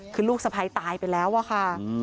คือลูกสะพ้ายตายไปแล้วอะค่ะ